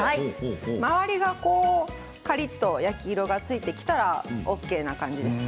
周りが、カリっと焼き色がついてきたらＯＫな感じです。